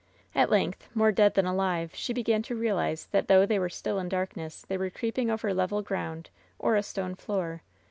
At length, more dead than alive, she began to realize, that though they were still in darkness, they were creep ing over level ground or a stone floor.